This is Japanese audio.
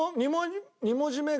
２文字目が。